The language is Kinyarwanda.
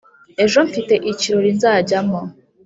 Ejo mfite ikirori nzajyamo